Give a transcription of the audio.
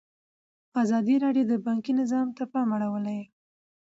ازادي راډیو د بانکي نظام ته پام اړولی.